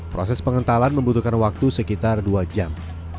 proses pengentalan membutuhkan waktu sekitar dua jam